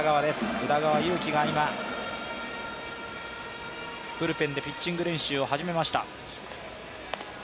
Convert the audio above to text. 宇田川優希が今、ブルペンでピッチング練習を始めました。